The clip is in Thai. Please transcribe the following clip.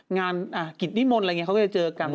งานกิจนิมนต์อะไรอย่างนี้เขาก็จะเจอกัน